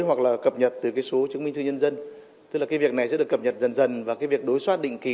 hoặc là cập nhật từ cái số chứng minh thư nhân dân tức là cái việc này sẽ được cập nhật dần dần vào cái việc đối soát định kỳ